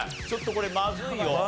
ちょっとこれまずいよ。